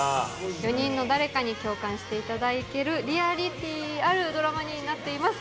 ４人の誰かに共感していただけるリアリティーあるドラマになっています。